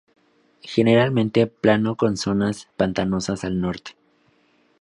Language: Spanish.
Generalmente plano con zonas pantanosas al norte.